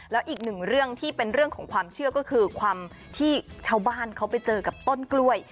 แล้วอีกหนึ่งเรื่องที่เป็นเรื่องของความเชื่อก็คือความที่ชาวบ้านเขาไปเจอกับต้นกล้วย